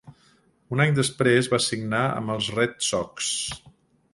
Un any després, va signar amb els Red Sox.